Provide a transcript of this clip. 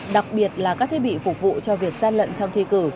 đặc biệt là các thiết bị phục vụ cho việc gian lận trong thi cử